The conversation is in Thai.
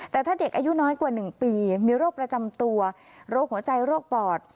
แต่ถ้าเด็กอายุน้อยกว่า๑ปีมีโรคประจำตัวโรคหัวใจโรคปอด